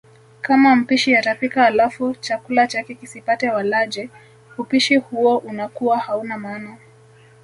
Kama mpishi atapika alafu chakula chake kisipate walaji, hupishi huo unakuwa hauna maana.